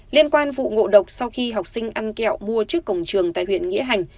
liên quan vụ ngộ độc sau khi học sinh ăn kẹo mua trước cổng trường tại huyện nghĩa hành